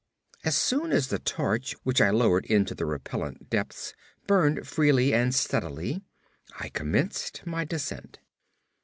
As soon as the torch, which I lowered into the repellent depths, burned freely and steadily, I commenced my descent.